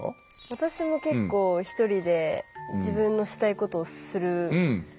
私も結構一人で自分のしたいことをするのを。